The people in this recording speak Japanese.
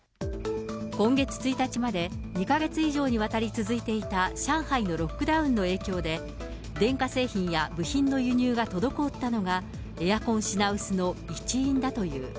今月１日まで、２か月以上にわたり続いていた上海のロックダウンの影響で、電化製品や部品の輸入が滞ったのが、エアコン品薄の一因だという。